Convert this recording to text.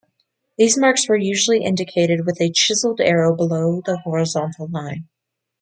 These marks were usually indicated with a chiseled arrow below the horizontal line.